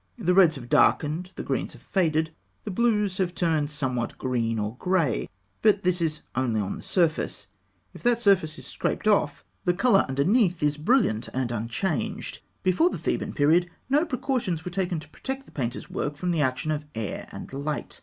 The reds have darkened, the greens have faded, the blues have turned somewhat green or grey; but this is only on the surface. If that surface is scraped off, the colour underneath is brilliant and unchanged. Before the Theban period, no precautions were taken to protect the painter's work from the action of air and light.